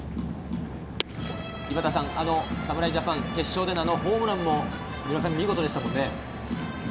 井端さん、侍ジャパン決勝でのホームランも村上、見事でしたね。